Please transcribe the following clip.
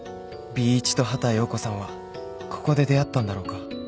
Ｂ 一と畑葉子さんはここで出会ったんだろうか